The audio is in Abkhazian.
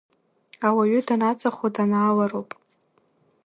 Ауаҩы данаҵахо данаалароуп.